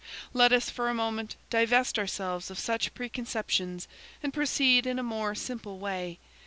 Let us, for a moment, divest ourselves of such preconceptions and proceed in a more simple way.